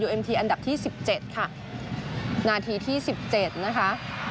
เอ็มทีอันดับที่๑๗ค่ะนาทีที่๑๗นะคะ